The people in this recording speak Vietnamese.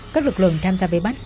các lực lượng tham gia vây bắt